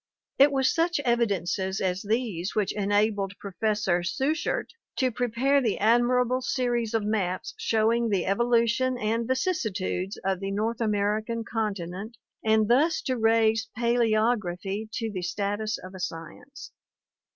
It was such evidences as these which enabled Pro fessor Schuchert to prepare the admirable series of maps showing the evolution and vicissitudes of the North American continent and thus to raise Paleogeography to the status of a science.